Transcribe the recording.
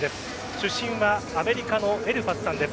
主審はアメリカのエルファスさんです。